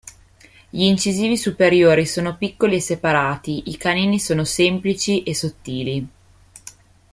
Gli incisivi superiori sono piccoli e separati, i canini sono semplici e sottili.